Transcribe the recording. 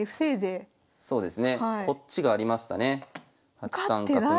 ８三角成。